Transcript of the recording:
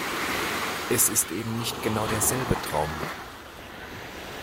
Es ist eben nicht genau derselbe Traum.